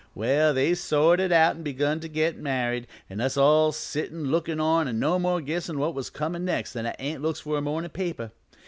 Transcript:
"Well, they sorted out an' begun to get married, an' us all sittin' lookin' on an' no more guessin' what was comin' next than a ant looks for a mornin' paper.